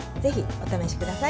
お試しください。